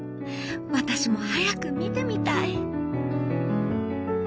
わたしも早く見てみたい」。